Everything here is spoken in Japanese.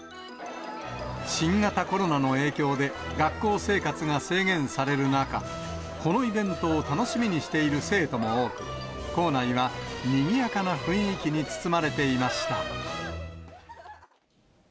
新型コロナの影響で学校生活が制限される中、このイベントを楽しみにしている生徒も多く、校内はにぎやかな雰囲気に包まれていました。